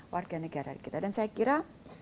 warga negara kita dan saya kira